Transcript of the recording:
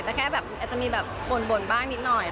แต่แค่แบบอาจจะมีแบบบ่นบ้างนิดหน่อย